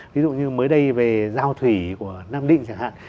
ví dụ như mới đây về giao thủy của nam định chẳng hạn